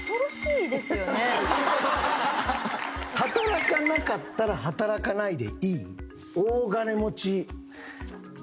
働かなかったら働かないでいい？